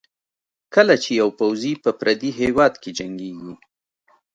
کله چې یو پوځي په پردي هېواد کې جنګېږي.